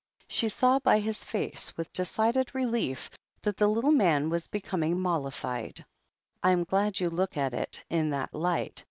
92 THE HEEL OF ACHILLES She saw by his face, with decided relief, that the little man was becoming mollified. "Fm glad you look at it in that light.